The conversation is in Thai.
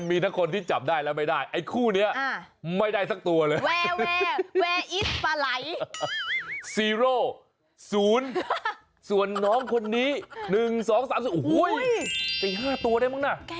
กี่ทีได้กันครับ